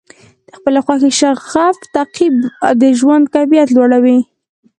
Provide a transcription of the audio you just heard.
د خپلې خوښې شغف تعقیب د ژوند کیفیت لوړوي.